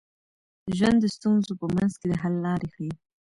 ژوند د ستونزو په منځ کي د حل لارې ښيي.